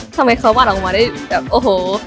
ทำไมเขาวาดออกมาได้แบบโอ้โห